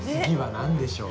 何でしょう。